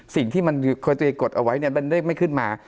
สิ่งที่มันเคยตัวเองกฏเอาไว้มันได้ไม่ขึ้นมา